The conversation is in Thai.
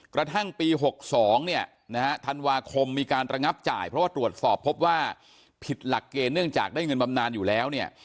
กระทั่งปี๖๒เนี่ยนะฮะธันวาคมมีการระงับจ่ายเพราะว่าตรวจสอบพบว่าผิดหลักเกณฑ์เนื่องจากได้เงินบำนานอยู่แล้วเนี่ย